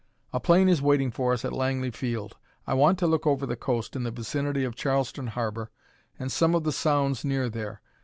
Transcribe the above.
"A plane is waiting for us at Langley Field. I want to look over the coast in the vicinity of Charleston Harbor and some of the sounds near there.